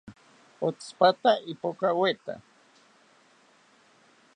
Otsipata ipokaweta